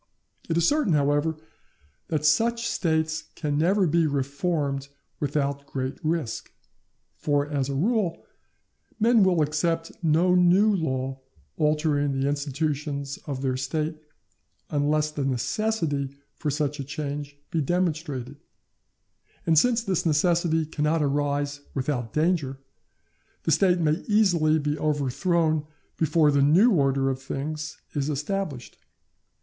It is certain, however, that such States can never be reformed without great risk; for, as a rule, men will accept no new law altering the institutions of their State, unless the necessity for such a change be demonstrated; and since this necessity cannot arise without danger, the State may easily be overthrown before the new order of things is established.